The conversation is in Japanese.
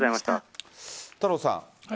太郎さん